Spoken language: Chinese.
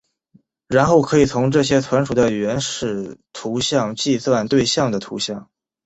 然后可以从这些存储的原始图像计算对象的图像。